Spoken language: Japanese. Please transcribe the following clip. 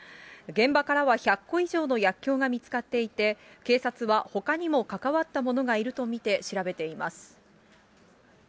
現場からは１００個以上の薬きょうが見つかっていて、警察は、ほかにも関わった者がいると見て調べています。